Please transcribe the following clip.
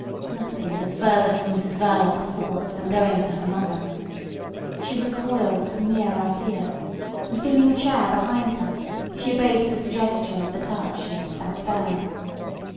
Nothing was further from Mrs Verloc's thoughts than going to her mother. She recoiled at the mere idea, and feeling a chair behind her, she obeyed the suggestion of the touch, and sat down.